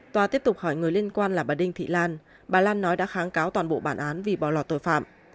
tòa tiếp tục hỏi người liên quan là bà đinh thị lan bà lan nói đã kháng cáo toàn bộ bản án vì bỏ lọt tội phạm